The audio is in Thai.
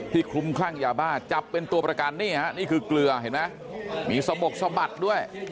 ที่คุมคลั่งยาบาลจับเป็นตัวประกันนี่ฮะนี่คือเกลือเห็นมั้ยมีสมบัติด้วย